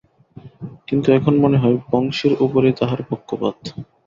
কিন্তু, এখন মনে হয়, বংশীর উপরেই তাঁহার পক্ষপাত।